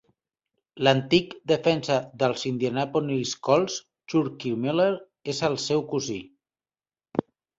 L'antic defensa dels Indianapolis Colts, Chuckie Miller, és el seu cosí.